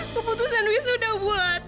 keputusan wisnu udah buat